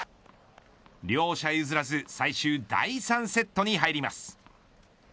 両者譲らず最終第３セットに入ります。